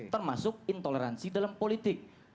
termasuk intoleransi dalam politik